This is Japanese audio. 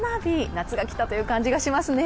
夏が来たという感じがしますね。